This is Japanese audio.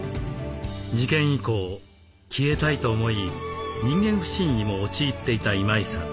事件以降消えたいと思い人間不信にも陥っていた今井さん。